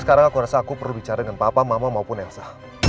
sekarang aku rasa aku perlu bicara dengan papa mama maupun elsa